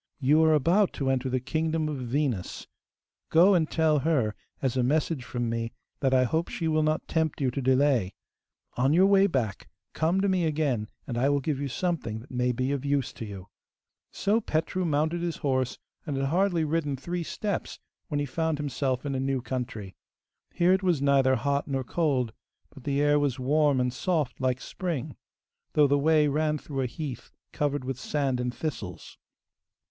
You are about to enter the kingdom of Venus;(4) go and tell her, as a message from me, that I hope she will not tempt you to delay. On your way back, come to me again, and I will give you something that may be of use to you.' (4) 'Vineri' is Friday, and also 'Venus.' So Petru mounted his horse, and had hardly ridden three steps when he found himself in a new country. Here it was neither hot nor cold, but the air was warm and soft like spring, though the way ran through a heath covered with sand and thistles.